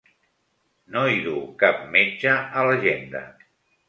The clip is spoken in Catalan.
No hi duu cap metge, a l'agenda.